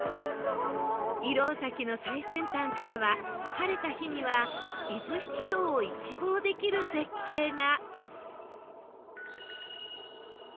石廊崎の最先端からは晴れた日には伊豆七島を一望できる絶景が